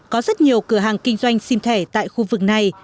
có rất nhiều cửa hàng kinh doanh sim thẻ tại khu vực này